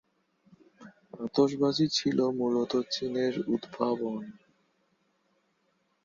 আতশবাজি ছিল মূলত চীনের উদ্ভাবন।